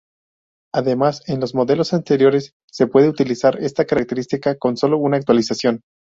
Además, en los modelos anteriores se puede utilizar esta característica con sólo una actualización.